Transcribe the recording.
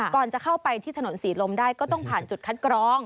ก่อนจะเข้าไปที่ถนนศรีลมได้ก็ต้องผ่านจุดคัดกรอง